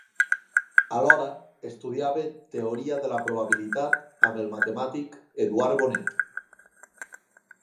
Alhora, estudiava teoria de la probabilitat amb el matemàtic Eduard Bonet.